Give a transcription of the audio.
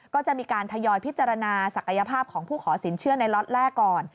ก็จะมีการทยอยพิจารณาศักยภาพของผู้ขอสินเชื่อในล็อตแรกก่อน